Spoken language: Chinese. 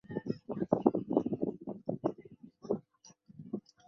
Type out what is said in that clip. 拉马盖尔。